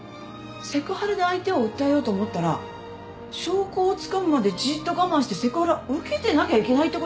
セクハラで相手を訴えようと思ったら証拠をつかむまでじっと我慢してセクハラ受けてなきゃいけないってこと？